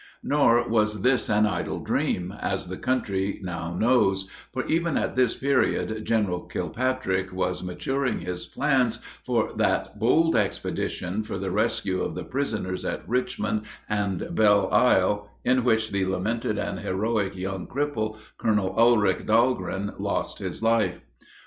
Nor was this an idle dream, as the country now knows, for even at this period General Kilpatrick was maturing his plans for that bold expedition for the rescue of the prisoners at Richmond and Belle Isle in which the lamented and heroic young cripple, Colonel Ulric Dahlgren, lost his life.